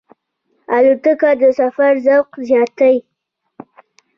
الوتکه د سفر ذوق زیاتوي.